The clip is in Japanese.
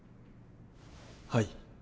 はい。